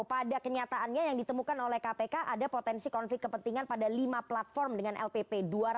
pada kenyataannya yang ditemukan oleh kpk ada potensi konflik kepentingan pada lima platform dengan lpp